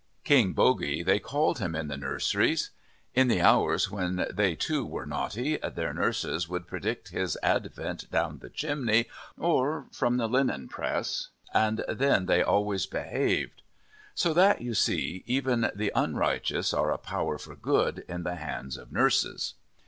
"King Bogey" they called him in the nurseries. In the hours when they too were naughty, their nurses would predict his advent down the chimney or from the linen press, and then they always "behaved." So that, you see, even the unrighteous are a power for good, in the hands of nurses.